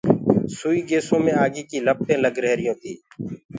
سئي گيسو مي آگيٚ ڪيٚ لپٽينٚ لگ رهيريونٚ تي۔